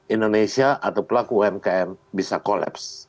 indonesia atau pelaku umkm bisa collapse